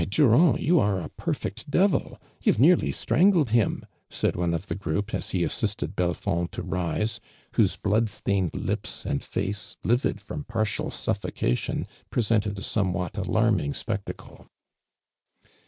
Dur.and. you are a perfect devil ! vou've nearly strangled him !" said one of the L'roup, as he assisted Relfond to rise, whose Mood stained lips and faco, livid from partial ^utlDcation, presented a somewhat alarming spectacle.